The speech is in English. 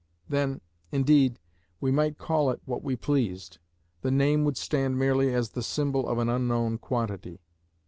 Then, indeed, we might call it what we pleased; the name would stand merely as the symbol of an unknown quantity.